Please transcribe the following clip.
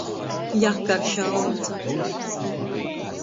Jaka ar šalli un cepuri.